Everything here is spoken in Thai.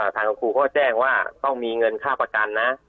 ทางคุณครูก็แจ้งว่าต้องมีเงินค่าประกันนะ